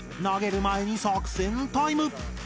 投げる前に作戦タイム！